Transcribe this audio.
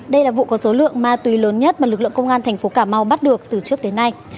đây là vụ có số lượng ma túy lớn nhất mà lực lượng công an thành phố cà mau bắt được từ trước đến nay